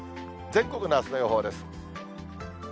全国のあすの予報です。